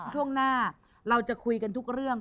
ช่วงหน้าเราจะคุยกันทุกเรื่อง